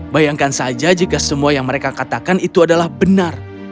bayangkan saja jika semua yang mereka katakan itu adalah benar